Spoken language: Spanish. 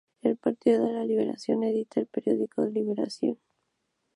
El Partido de la Liberación edita el periódico "Liberación".